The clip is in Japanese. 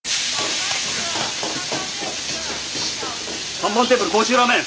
３番テーブル杭州ラーメン！